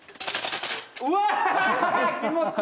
うわ！